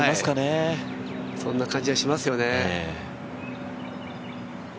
そんな感じはしますよね。